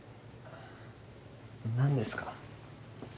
何ですか？